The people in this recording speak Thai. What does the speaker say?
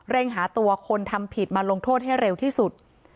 หาตัวคนทำผิดมาลงโทษให้เร็วที่สุด